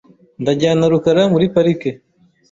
Ndajyana rukara muri parike .